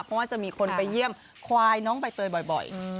เพราะว่าจะมีคนไปเยี่ยมควายน้องใบเตยบ่อย